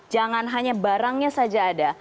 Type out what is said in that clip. jangan hanya barangnya saja ada